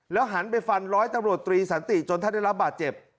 หันไปฟันร้อยตำรวจตรีสันติจนท่านได้รับบาดเจ็บ